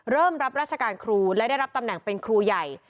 รับราชการครูและได้รับตำแหน่งเป็นครูใหญ่